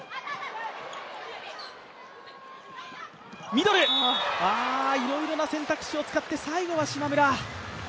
ミドル、いろいろな選択肢を使って最後は島村。